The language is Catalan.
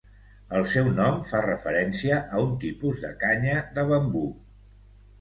El seu nom fa referència a un tipus de canya de bambú.